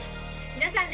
皆さん